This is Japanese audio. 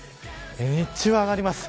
日中は上がります。